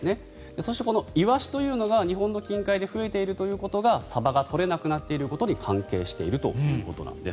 そして、イワシというのが日本の近海で増えているということがサバが取れなくなっていることに関係しているということなんです。